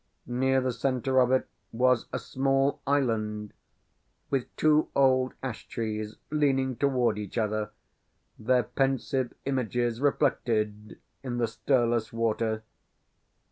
Near the centre of it was a small island, with two old ash trees, leaning toward each other, their pensive images reflected in the stirless water.